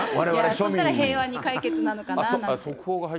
だったら平和に解決なのかななんて。